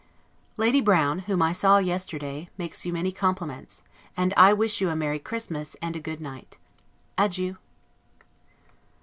Lady Brown, whom I saw yesterday, makes you many compliments; and I wish you a merry Christmas, and a good night. Adieu!